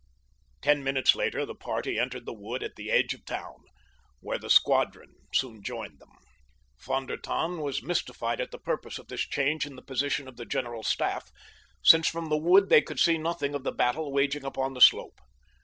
Ten minutes later the party entered the wood at the edge of town, where the squadron soon joined them. Von der Tann was mystified at the purpose of this change in the position of the general staff, since from the wood they could see nothing of the battle waging upon the slope.